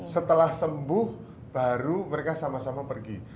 setelah sembuh baru mereka sama sama pergi